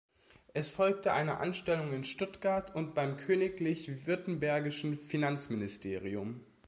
Es folgte eine Anstellung in Stuttgart und beim königlich württembergischen Finanzministerium.